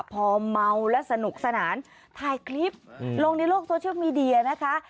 พอเมาและสนุกสนานถ่ายคลิปลงในโลกโซเชียลมีเดียนะคะ